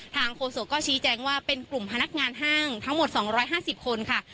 โฆษกก็ชี้แจงว่าเป็นกลุ่มพนักงานห้างทั้งหมด๒๕๐คนค่ะ